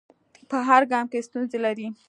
په هر ګام کې ستونزې لري.